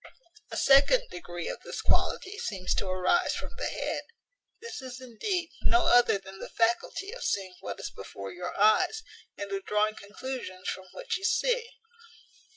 A second degree of this quality seems to arise from the head. This is, indeed, no other than the faculty of seeing what is before your eyes, and of drawing conclusions from what you see.